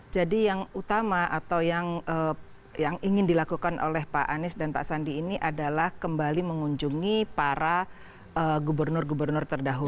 jadi yang utama atau yang ingin dilakukan oleh pak anis dan pak sandi ini adalah kembali mengunjungi para gubernur gubernur terdahulu